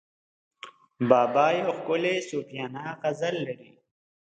بابا یو ښکلی صوفیانه غزل لري.